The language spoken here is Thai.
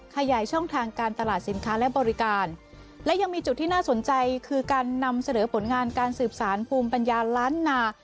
ขยายช่องทางการตลาดสินค้าและบริการและยังมีจุดที่น่าสนใจคือการนำเสนอผลงานการสืบสารภูมิปัญญาล้านนา